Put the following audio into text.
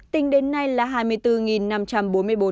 tính đến nay là hai mươi bốn năm trăm bốn mươi bốn ca